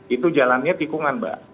itu jalannya tikungan mbak